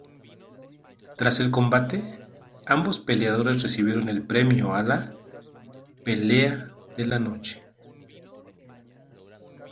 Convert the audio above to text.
Tras el combate ambos peleadores recibieron el premio a la "Pelea de la Noche".